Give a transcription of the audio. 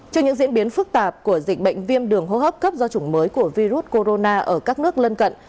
trước những diễn biến phức tạp của dịch bệnh viêm đường hô hấp cấp do chủng mới của virus corona ở các nước lân cận